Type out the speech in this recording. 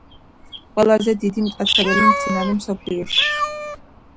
ყველაზე დიდი მტაცებელი მცენარე მსოფლიოში.